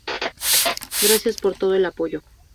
Gracias por todo el apoyo.